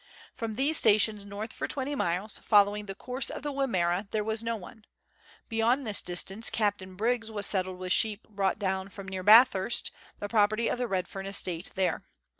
From these stations north for twenty miles, following the course of the Wimmera, there was no one ; beyond this distance Captain Briggs was settled with sheep brought down from near Bathurst, the property of the Redfern estate there.